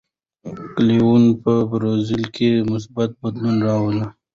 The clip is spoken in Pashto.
کویلیو په برازیل کې مثبت بدلون راولي.